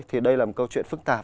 thì đây là một câu chuyện phức tạp